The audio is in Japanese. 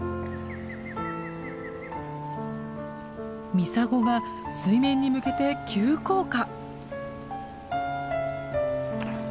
ミサゴが水面に向けて急降下！